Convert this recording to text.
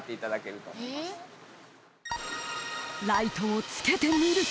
［ライトをつけてみると］